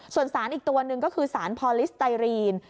ส่วนสารอีกตัวหนึ่งก็คือสารพอลิสไตรีน